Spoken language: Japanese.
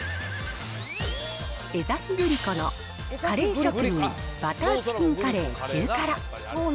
江崎グリコのカレー職人バターチキンカレー中辛。